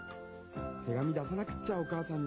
手紙出さなくっちゃおかあさんに。